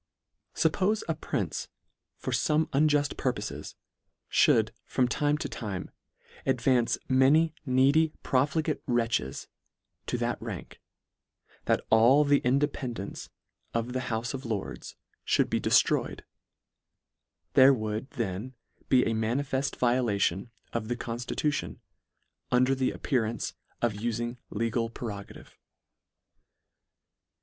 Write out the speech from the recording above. Suppole a prince for fome unjuft purpofes, Ihould from time to time advance many needy profligate wretches, to that rank, that all the independance of the houfe of Lords mould be deltroyed, there would then be a manifeft violation of the conftituti on, under the appearance of uiing legal pre rogative.